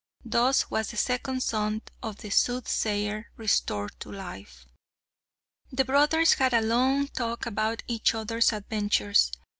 Thus was the second son of the Soothsayer restored to life. The brothers had a long talk about each other's adventures.